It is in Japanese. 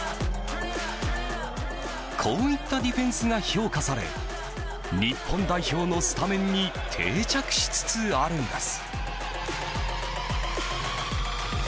こういったディフェンスが評価され日本代表のスタメンに定着しつつあるんです。